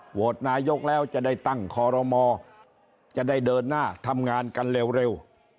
โหวตนายกแล้วจะได้ตั้งคอรมอจะได้เดินหน้าทำงานกันเร็ว